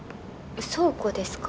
倉庫ですか？